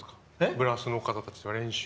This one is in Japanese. ブラスの方たちと、練習。